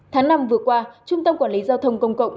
tháng năm vừa qua trung tâm quản lý giao thông công cộng